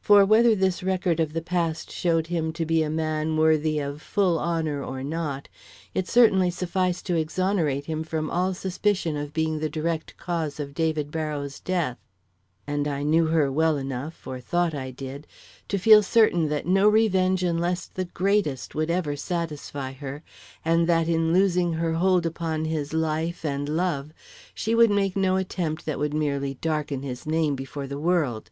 For whether this record of the past showed him to be a man worthy of full honor or not, it certainly sufficed to exonerate him from all suspicion of being the direct cause of David Barrow's death, and I knew her well enough, or thought I did, to feel certain that no revenge, unless the greatest, would ever satisfy her, and that in losing her hold upon his life and love, she would make no attempt that would merely darken his name before the world.